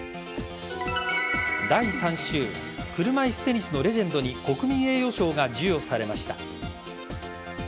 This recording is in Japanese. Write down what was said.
第３週車いすテニスのレジェンドに国民栄誉賞が授与されました。